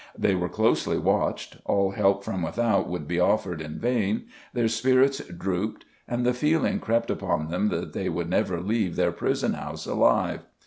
They were closely watched; all help from without would be offered in vain; their spirits drooped, and the feeling crept upon them that they would never leave their prison house alive.